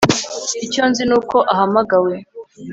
icyo nzi nuko ahamagawe